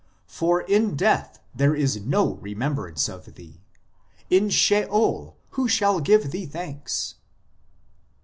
For in death there is no remem brance of thee ; in Sheol who shall give thee thanks